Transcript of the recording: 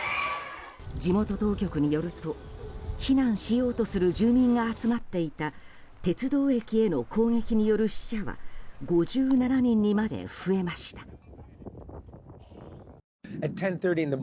地元当局によると避難しようとする住民が集まっていた鉄道駅への攻撃による死者は５７人にまで増えました。